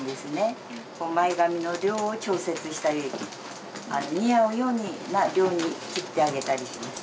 前髪の量を調節したり似合うような量に切ってあげたりします。